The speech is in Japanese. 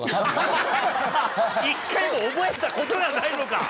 １回も覚えたことがないのか。